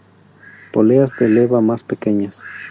Poleas de leva más pequeñas.